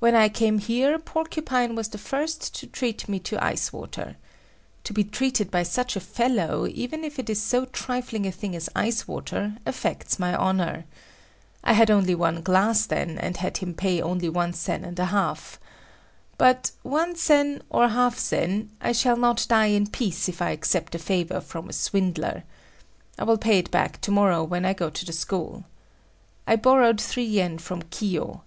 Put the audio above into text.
When I came here, Porcupine was the first to treat me to ice water. To be treated by such a fellow, even if it is so trifling a thing as ice water, affects my honor. I had only one glass then and had him pay only one sen and a half. But one sen or half sen, I shall not die in peace if I accept a favor from a swindler. I will pay it back tomorrow when I go to the school. I borrowed three yen from Kiyo.